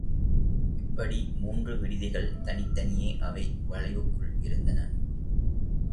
இப்படி மூன்று விடுதிகள்.தனித்தனியே அவை வளைவுக்குள் இருந்தன.